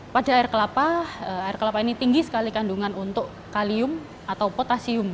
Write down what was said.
pada air kelapa air kelapa ini tinggi sekali kandungan untuk kalium atau potasium